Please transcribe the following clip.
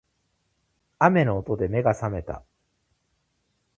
雨の音で目が覚めた